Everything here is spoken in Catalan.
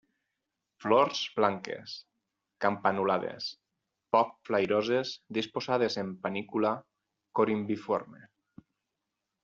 Flors blanques, campanulades, poc flairoses disposades en panícula corimbiforme.